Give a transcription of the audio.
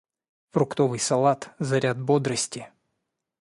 Фруктовый салат - заряд бодрости.